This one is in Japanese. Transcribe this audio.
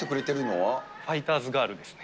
ファイターズガールですね。